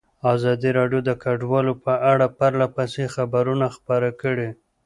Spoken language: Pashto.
ازادي راډیو د کډوال په اړه پرله پسې خبرونه خپاره کړي.